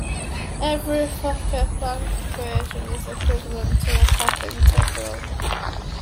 Every Fokker-Planck equation is equivalent to a path integral.